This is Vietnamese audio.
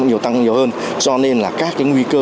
nhiều tăng nhiều hơn do nên là các cái nguy cơ